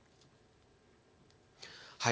はい。